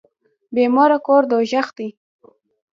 بي موره کور دوږخ دی.